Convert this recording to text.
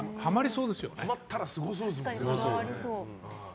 ハマったらすごそうですもんね。